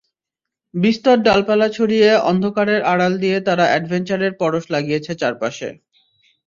বিস্তর ডালপালা ছড়িয়ে অন্ধকারের আড়াল দিয়ে তারা অ্যাডভেঞ্চারের পরশ লাগিয়েছে চারপাশে।